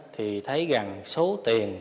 thì thấy rằng số tiền